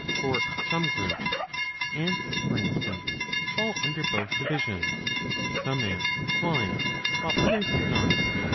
For some groups, Ants for instance, fall under both divisions, some ants flying while others do not.